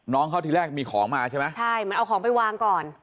น้องเขาทีแรกมีของมาใช่ไหมใช่เหมือนเอาของไปวางก่อน